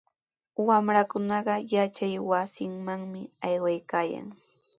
Wamrakunaqa yachaywasimanmi aywaykaayan.